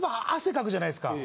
かくじゃないですか。